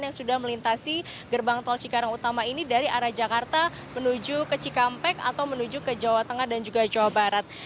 yang sudah melintasi gerbang tol cikarang utama ini dari arah jakarta menuju ke cikampek atau menuju ke jawa tengah dan juga jawa barat